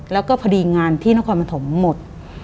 แล้วก็พอดีงานที่นครปฐมหมด